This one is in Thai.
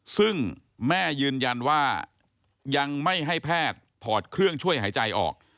ซึ่งแม่ยืนยันว่ายังไม่ให้แพทย์ถอดเครื่องช่วยหายใจออก